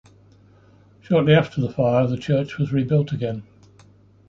Shortly after the fire, the church was rebuilt again.